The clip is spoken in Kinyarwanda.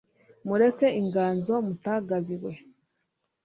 mureke inganzo mutagabiwe